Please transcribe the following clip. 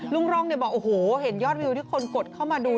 รงบอกโอ้โหเห็นยอดวิวที่คนกดเข้ามาดู